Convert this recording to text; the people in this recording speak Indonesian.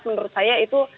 menurut saya itu